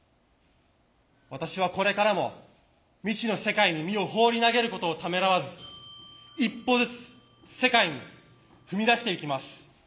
私はこれからも未知の世界に身を放り投げることをためらわず一歩ずつ世界に踏み出していきます。